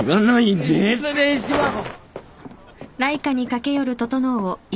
失礼します！